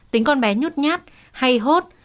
tính con bé nhút nhát hay hốt